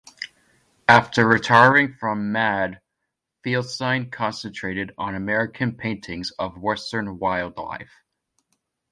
After retiring from "Mad", Feldstein concentrated on American paintings of Western wildlife.